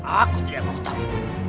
aku tidak mau tahu